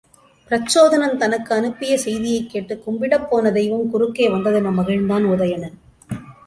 பிரச்சோதனன் தனக்கு அனுப்பிய செய்தி கேட்டு, கும்பிடப்போன தெய்வம் குறுக்கே வந்ததென மகிழ்ந்தான் உதயணன்.